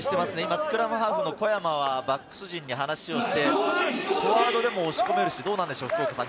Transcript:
スクラムハーフの小山をバックス陣に話をして、フォワードでも押し込めるし、どうなんでしょう？